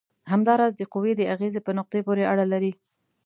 همدا راز د قوې د اغیزې په نقطې پورې اړه لري.